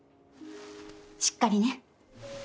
しっかりね。